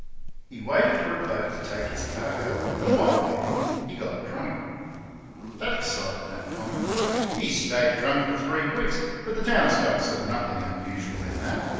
He waited for a boat to take his cargo, and, while waiting, he got drunk. That excited no comment. He stayed drunk for throe weeks, but the towns people saw nothing unusual in that.